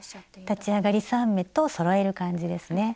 立ち上がり３目とそろえる感じですね。